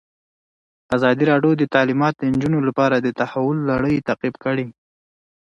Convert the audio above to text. ازادي راډیو د تعلیمات د نجونو لپاره د تحول لړۍ تعقیب کړې.